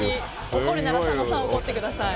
怒るなら佐野さんを怒ってください。